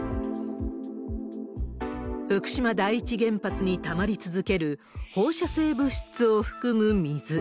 福島第一原発にたまり続ける、放射性物質を含む水。